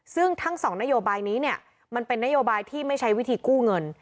ซึ่งทั้งสองนโยบายนี้เนี่ยมันเป็นนโยบายที่ไม่ใช้วิธีกู้เงิน